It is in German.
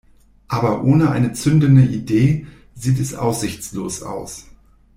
Aber ohne eine zündende Idee sieht es aussichtslos aus.